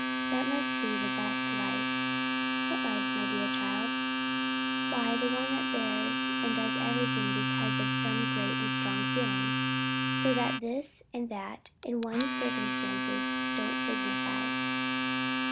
"That must be the best life." "What life, my dear child?" "Why, that where one bears and does everything because of some great and strong feeling so that this and that in one's circumstances don't signify."